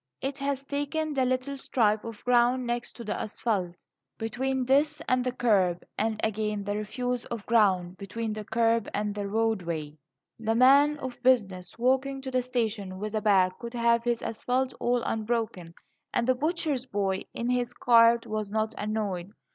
It has taken the little strip of ground next to the asphalte, between this and the kerb, and again the refuse of ground between the kerb and the roadway. The man of business walking to the station with a bag could have his asphalte all unbroken, and the butcher's boy in his cart was not annoyed.